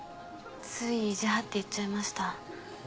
つい意地張って言っちゃいました。